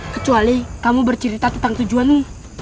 kecuali kamu bercerita tentang tujuanmu